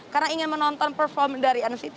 karena ingin menonton perform dari nct